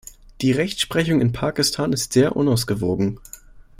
Die Rechtsprechung in Pakistan ist sehr unausgewogen.